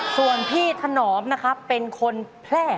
ส่วนพี่ถนอมเป็นคนแพร่